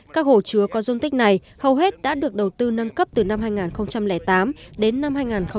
các hồ chứa có dung tích này hầu hết đã được đầu tư nâng cấp từ năm hai nghìn tám đến năm hai nghìn một mươi